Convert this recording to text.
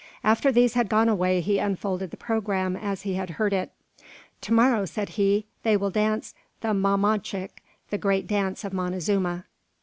After these had gone away, he unfolded the programme as he had heard it. "To morrow," said he, "they will dance the mamanchic the great dance of Montezuma.